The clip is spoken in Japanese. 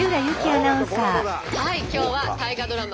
はい今日は大河ドラマ